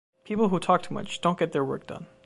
People who talk too much don’t get their work done.